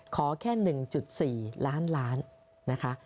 ขอแค่๑๔ล้านล้านนะคะ